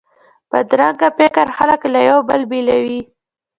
بدرنګه فکر خلک له یو بل بیلوي